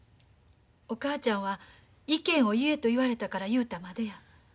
お母ちゃんは意見を言えと言われたから言うたまでや。